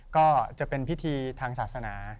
ก็จะเป็นพิธีทางศาสนา